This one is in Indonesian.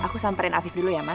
aku samperin afif dulu ya mas